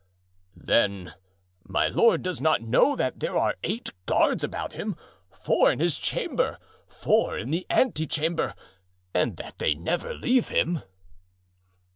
"Then my lord does not know that there are eight guards about him, four in his chamber, four in the antechamber, and that they never leave him."